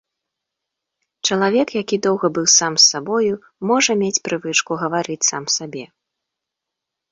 Чалавек, які доўга быў толькі сам з сабою, можа мець прывычку гаварыць сам сабе.